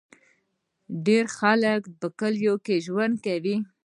ډیری خلک په کلیو کې ژوند کوي.